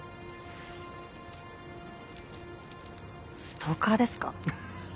ストーカーですか？